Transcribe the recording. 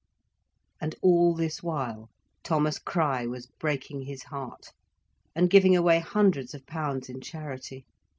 And all this while Thomas Crich was breaking his heart, and giving away hundreds of pounds in charity.